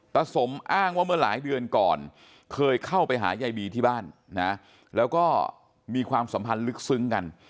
สมอ้างว่าเมื่อหลายเดือนก่อนเคยเข้าไปหายายบีที่บ้านนะแล้วก็มีความสัมพันธ์ลึกซึ้งกัน